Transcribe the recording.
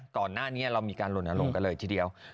ตอนหน้านี้เรามีการล้นนาลงกันเลย